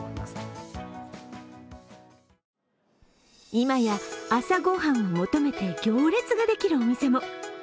今や朝ご飯を求めて行列ができるお店も。